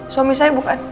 suami saya bukan